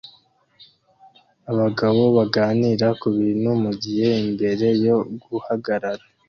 Abagabo baganira kubintu mugihe imbere yo guhagarara